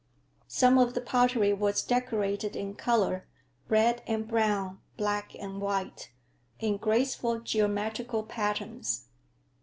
Some of the pottery was decorated in color, red and brown, black and white, in graceful geometrical patterns.